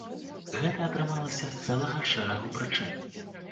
Гэта атрымалася з цэлага шэрагу прычын.